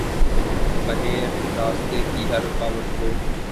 پنے راستے کی ہر رکاوٹ کو